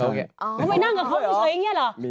ไปนั่งกับเขาไม่ใช่แบบนี้หรอ